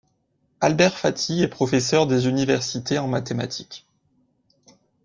Albert Fathi est professeur des universités en mathématiques.